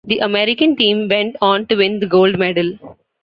The American team went on to win the gold medal.